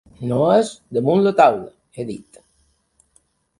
No és damunt la taula, ha dit.